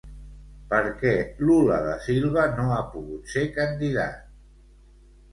Per què Lula da Silva no ha pogut ser candidat?